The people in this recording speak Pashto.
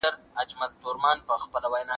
ګاونډی هیواد ترانزیتي لاره نه تړي.